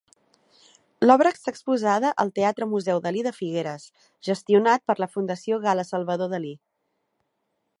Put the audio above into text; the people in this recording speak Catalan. L'obra està exposada al Teatre-Museu Dalí de Figueres, gestionat per la Fundació Gala-Salvador Dalí.